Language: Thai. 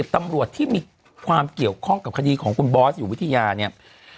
ตำรวจที่มีความเกี่ยวข้องกับคดีของคุณบอสอยู่วิทยาเนี่ย